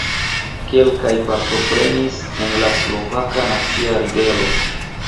Kelkaj partoprenis en la Slovaka Nacia Ribelo.